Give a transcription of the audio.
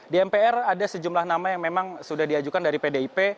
di mpr ada sejumlah nama yang memang sudah diajukan dari pdip